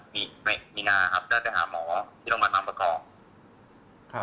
มีมีนาครับได้ไปหาหมอที่โรงพยาบาลบางประกอบครับ